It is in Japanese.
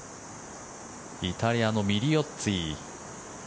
イタリアのミリオッツィ。